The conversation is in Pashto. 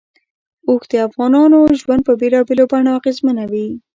اوښ د افغانانو ژوند په بېلابېلو بڼو اغېزمنوي.